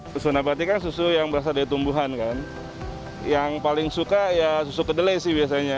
susu nabati kan susu yang berasal dari tumbuhan kan yang paling suka ya susu kedelai sih biasanya